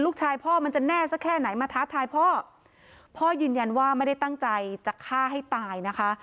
พ่อมันจะแน่สักแค่ไหนมาท้าทายพ่อพ่อยืนยันว่าไม่ได้ตั้งใจจะฆ่าให้ตายนะคะ